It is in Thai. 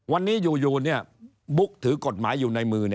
วันนี้อยู่บุ๊กถือกฎหมายอยู่ในมือ